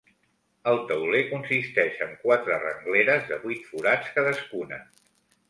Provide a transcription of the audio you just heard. El tauler consisteix en quatre rengleres de vuit forats cadascuna.